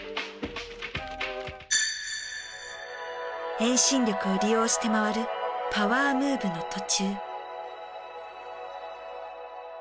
遠心力を利用して回るパワームーブの途中。